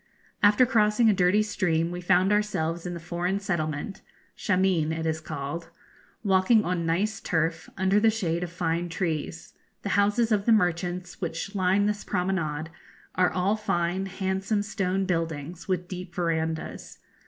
After crossing a dirty stream we found ourselves in the foreign settlement Shameen it is called walking on nice turf, under the shade of fine trees. The houses of the merchants which line this promenade are all fine, handsome stone buildings, with deep verandahs.